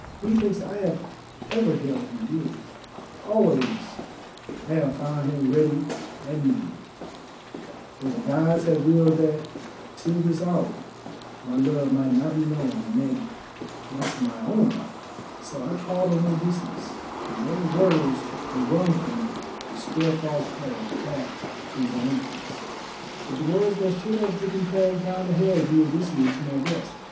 Methinks I have ever held him dear; always I have found him ready at need, though the Gods have willed that till this hour my love might not be known, nay, not to my own heart; so I called on Odysseus, and those words were wrung from me to scare false Paris back to his own place. But the words that should have driven Paris down to Hell drew Odysseus to my breast.